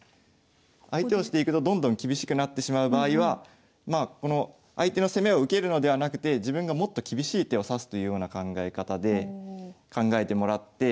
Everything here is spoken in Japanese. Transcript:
相手をしていくとどんどん厳しくなってしまう場合は相手の攻めを受けるのではなくて自分がもっと厳しい手を指すというような考え方で考えてもらって。